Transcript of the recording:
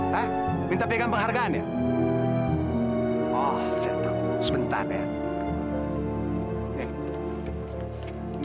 pak maman pak maman pak maman moonlight pak maman pak maman bakal di